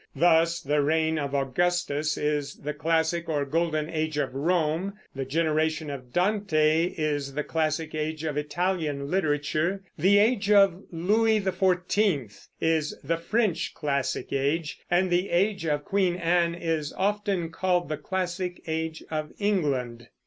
Thus the reign of Augustus is the classic or golden age of Rome; the generation of Dante is the classic age of Italian literature; the age of Louis XIV is the French classic age; and the age of Queen Anne is often called the classic age of England.